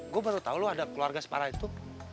gue baru tau lu ada keluarga separa itu